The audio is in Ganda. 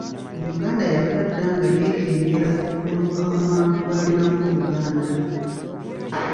Omuganda yava dda nga yeekengera okuwemuka mu bantu b’alinako oluganda.